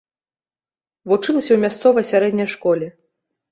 Вучылася ў мясцовай сярэдняй школе.